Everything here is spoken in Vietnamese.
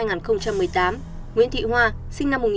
nguyễn thị hoa sinh năm một nghìn chín trăm tám mươi